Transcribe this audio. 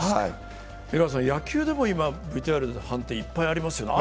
野球でも今、ＶＴＲの判定がいっぱいありますよね。